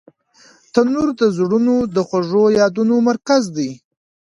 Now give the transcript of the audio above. تنور د زړونو د خوږو یادونو مرکز دی